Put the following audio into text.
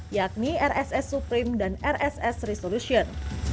yakni rss supreme dan rss resolution